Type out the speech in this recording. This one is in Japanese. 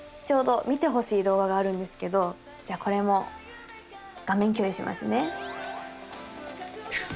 ちょうど見てほしい動画があるんですけどじゃあこれも画面共有しますね。